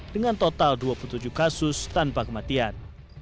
dengan total dua puluh tujuh kasus tanpa kematian